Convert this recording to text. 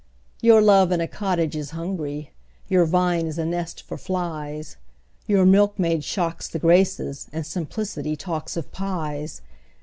Your love in a cottage is hungry, Your vine is a nest for flies Your milkmaid shocks the Graces, And simplicity talks of pies!